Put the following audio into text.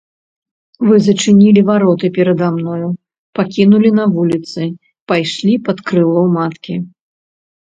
Вы зачынілі вароты перада мною, пакінулі на вуліцы, пайшлі пад крыло маткі.